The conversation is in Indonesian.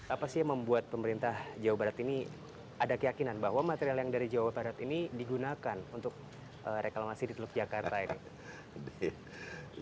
apa sih yang membuat pemerintah jawa barat ini ada keyakinan bahwa material yang dari jawa barat ini digunakan untuk reklamasi di teluk jakarta ini